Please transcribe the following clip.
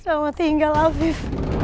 selamat tinggal afif